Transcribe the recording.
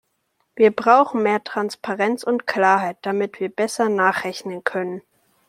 Wir brauchen mehr Transparenz und Klarheit, damit wir besser nachrechnen können.